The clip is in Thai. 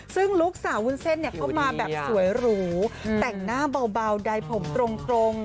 ซึ่งลุคสาววุ้นเซ่นเนี่ยเข้ามาแบบสวยหรูแต่งหน้าเบาดายผมตรง